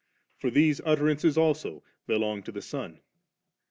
for these utterances also belong to the Son.